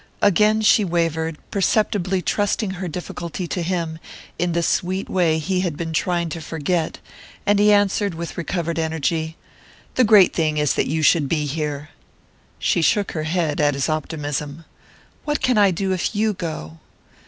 Again she wavered, perceptibly trusting her difficulty to him, in the sweet way he had been trying to forget; and he answered with recovered energy: "The great thing is that you should be here." She shook her head at his optimism. "What can I do if you go?"